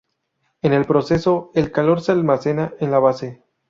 En el proceso, el calor se almacena en la base.